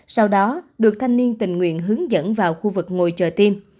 sau đó được thanh niên tình nguyện hướng dẫn vào khu vực ngồi chờ tiêm